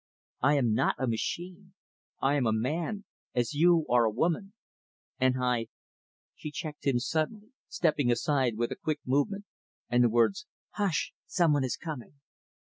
I am not a machine. I am a man; as you are a woman; and I " She checked him suddenly stepping aside with a quick movement, and the words, "Hush, some one is coming."